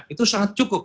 itu sangat cukup